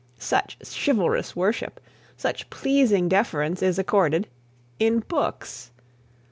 Such chivalrous worship, such pleasing deference is accorded in books!